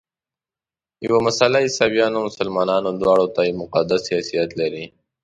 یوه مسله عیسویانو او مسلمانانو دواړو ته یو مقدس حیثیت لري.